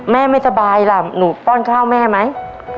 ไม่สบายล่ะหนูป้อนข้าวแม่ไหม